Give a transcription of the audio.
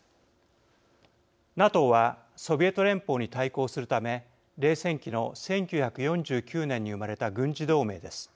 ＮＡＴＯはソビエト連邦に対抗するため冷戦期の１９４９年に生まれた軍事同盟です。